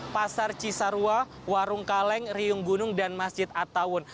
pasar cisarua warung kaleng riung gunung dan masjid attawun